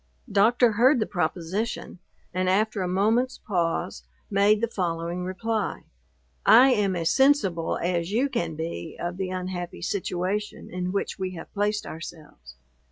Doctor heard the proposition, and after a moment's pause, made the following reply: "I am as sensible as you can be of the unhappy situation in which we have placed ourselves.